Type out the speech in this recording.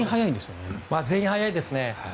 全員速いですね。